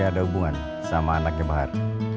adit masih ada hubungan sama anaknya bahar